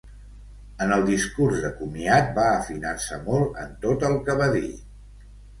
En el discurs de comiat va afinar-se molt en tot el que va dir.